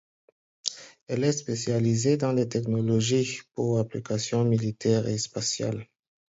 Elle est spécialisée dans les technologies pour applications militaires et spatiales.